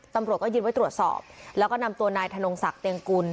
ตำรวจก็ยึดไว้ตรวจสอบแล้วก็นำตัวนายธนงศักดิงกุล